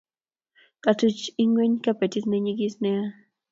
Katuch inweny kapetit ne nyigis nea